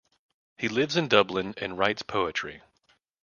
He lives in Dublin and writes poetry.